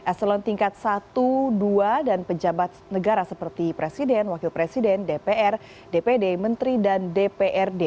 eselon tingkat satu dua dan pejabat negara seperti presiden wakil presiden dpr dpd menteri dan dprd